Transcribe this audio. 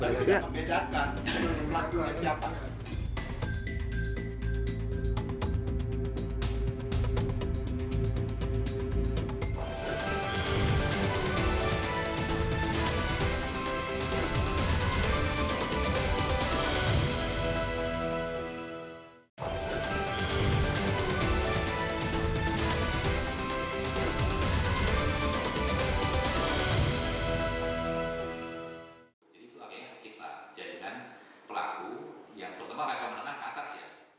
bagaimana membedakan pelaku dari siapa